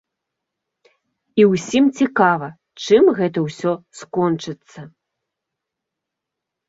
І ўсім цікава, чым гэта ўсё скончыцца.